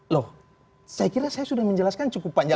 loh saya kira saya sudah menjelaskan cukup panjang